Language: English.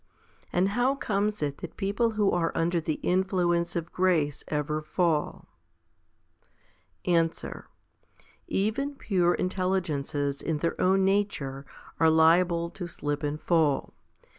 And how comes it that people who are under the influence of grace ever fall ? Answer. Even pure intelligences in their own nature are liable to slip and fall.